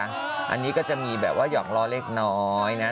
อันนี้ก็จะมีแบบว่าหยอกล้อเล็กน้อยนะ